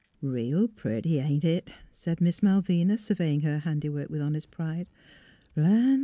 " Eeel pretty, ain't it! " said Miss Malvina, surveying her handiwork with honest pride. '' Land!